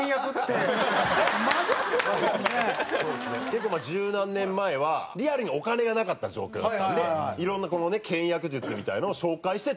結構十何年前はリアルにお金がなかった状況だったんでいろんな倹約術みたいなのを紹介して。